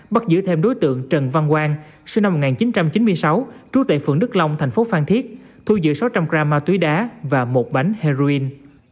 bắt giữ thêm đối tượng trần văn quang sinh năm một nghìn chín trăm chín mươi sáu trú tại phường đức long thành phố phan thiết thu giữ sáu trăm linh gram ma túy đá và một bánh heroin